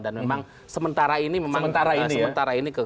dan memang sementara ini ke satu